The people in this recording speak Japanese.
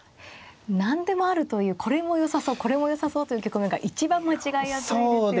何でもあるというこれもよさそうこれもよさそうという局面が一番間違いやすいですよね。